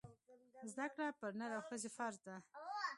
زده کړه پر نر او ښځي فرځ ده